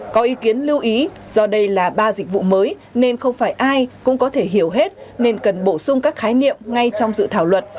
có ý kiến lưu ý do đây là ba dịch vụ mới nên không phải ai cũng có thể hiểu hết nên cần bổ sung các khái niệm ngay trong dự thảo luật